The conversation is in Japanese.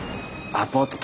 アパート